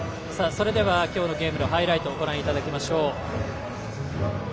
今日のゲームのハイライトもご覧いただきましょう。